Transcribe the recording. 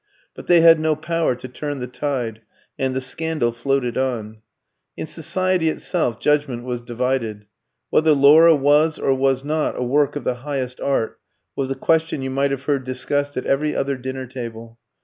But they had no power to turn the tide, and the scandal floated on. In society itself judgment was divided. Whether "Laura" was or was not a work of the highest art, was a question you might have heard discussed at every other dinner table.